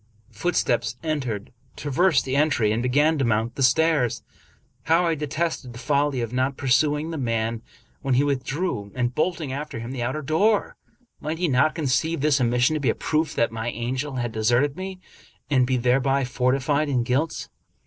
Footsteps entered, traversed the entry, and began to mount the stairs. How I detested the folly of not pursuing the man when he with drew, and bolting after him the outer door! Might he not conceive this omission to be a proof that my angel had de serted me, and be thereby fortified in guilt?